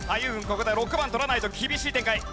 ここで６番とらないと厳しい展開。